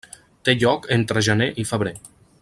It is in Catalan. Té lloc entre gener i febrer.